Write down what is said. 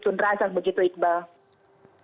sundrasan begitu iqbal